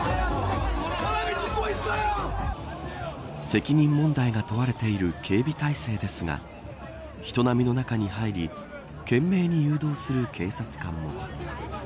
責任問題が問われている警備態勢ですが人波の中に入り懸命に誘導する警察官も。